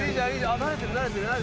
あっ慣れてる慣れてる。